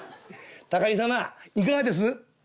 「高木様いかがです？」。